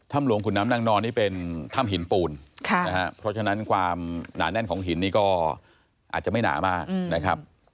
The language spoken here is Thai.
หลวงขุนน้ำนางนอนนี่เป็นถ้ำหินปูนเพราะฉะนั้นความหนาแน่นของหินนี้ก็อาจจะไม่หนามากนะครับ